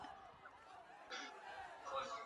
uhalifu mkubwa na ghasia katika nchi hizo